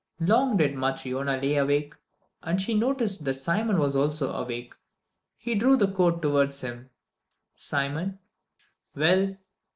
Long did Matryona lie awake, and she noticed that Simon also was awake he drew the coat towards him. "Simon!" "Well?"